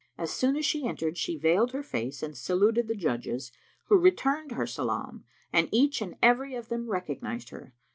As soon as she entered, she veiled her face and saluted the judges, who returned her salam and each and every of them recognised her.